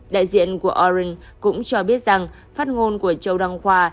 đại diện của oren cũng cho biết rằng phát ngôn của châu đăng khoa